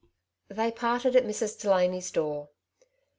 They parted at Mrs. Delany's door.